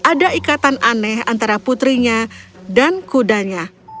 ada ikatan aneh antara putrinya dan kudanya